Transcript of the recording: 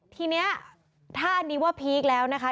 ทีนี้ถ้านี้พีคแล้วนะคะ